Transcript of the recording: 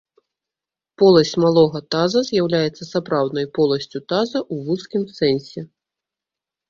Поласць малога таза з'яўляецца сапраўднай поласцю таза ў вузкім сэнсе.